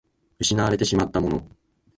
失われてしまったもの